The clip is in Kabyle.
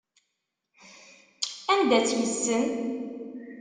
Anda tt-yessen?